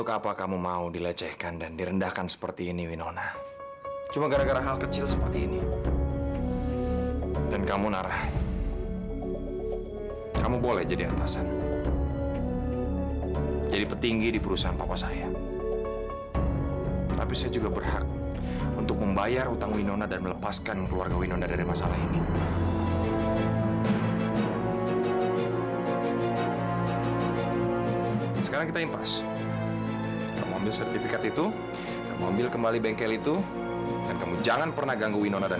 dan kamu nggak perlu merasa bersalah karena kamu selama ini menjadikan aku pelarian